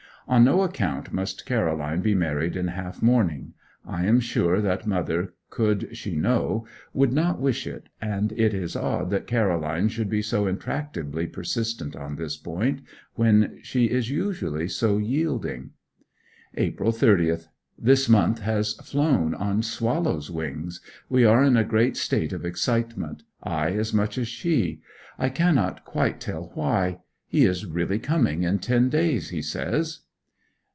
On no account must Caroline be married in half mourning; I am sure that mother, could she know, would not wish it, and it is odd that Caroline should be so intractably persistent on this point, when she is usually so yielding. April 30. This month has flown on swallow's wings. We are in a great state of excitement I as much as she I cannot quite tell why. He is really coming in ten days, he says.